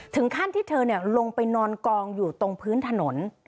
ถึงขั้นที่เธอลงไปนอนกองอยู่ตรงพื้นถนน